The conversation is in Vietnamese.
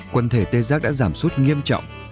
quân thể tê giác đã giảm sút nghiêm trọng